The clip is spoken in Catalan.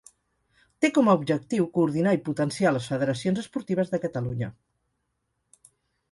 Té com a objectiu coordinar i potenciar les federacions esportives de Catalunya.